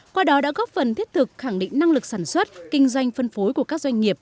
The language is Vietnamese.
qua đó đã góp phần thiết thực khẳng định năng lực sản xuất kinh doanh phân phối của các doanh nghiệp